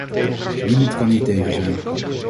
Niemand kan hier tegen zijn.